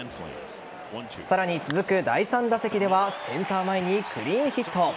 さらに続く第３打席ではセンター前にクリーンヒット。